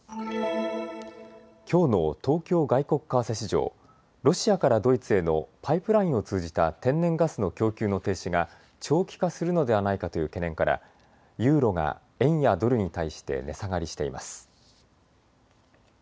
きょうの東京外国為替市場、ロシアからドイツへのパイプラインを通じた天然ガスの供給の停止が長期化するのではないかという懸念からユーロが円やドルに対して値下がりしています。